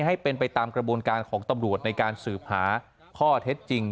ให้เป็นไปตามกระบวนการของตำรวจในการสืบหาข้อเท็จจริง